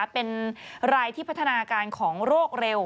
เป็นรายที่พัฒนาการของโรคเร็ว